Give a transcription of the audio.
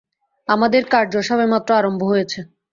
আমাদের কার্য সবেমাত্র আরম্ভ হয়েছে।